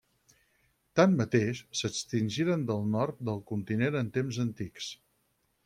Tanmateix, s'extingiren del nord del continent en temps antics.